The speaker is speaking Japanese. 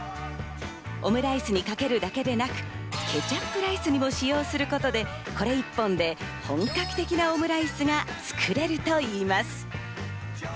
オムライスにかけるだけでなく、ケチャップライスにも使用することで、これ１本で本格的なオムライスが作れるといいます。